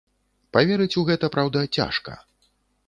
Паверыць у гэта, праўда, цяжка.